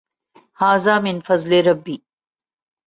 ھذا من فضْل ربی۔